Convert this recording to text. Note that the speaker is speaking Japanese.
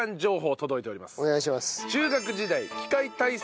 お願いします。